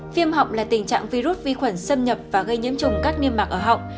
viêm họng là tình trạng virus vi khuẩn xâm nhập và gây nhiễm trùng các niêm mạc ở họng